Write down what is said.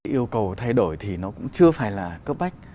yêu cầu thay đổi thì nó cũng chưa phải là cấp bách